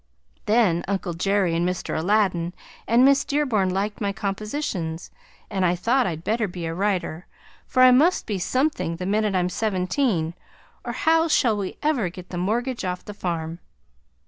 Then Uncle Jerry and Mr. Aladdin and Miss Dearborn liked my compositions, and I thought I'd better be a writer, for I must be something the minute I'm seventeen, or how shall we ever get the mortgage off the farm?